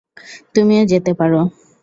তুমিও যেতে পারো।